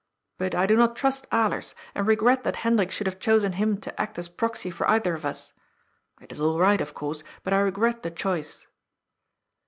^^ But I do not trust Alers, and regret that Hendrik should have chosen him to act as proxy for either of us. It is all right, of course : bat I regret the choice."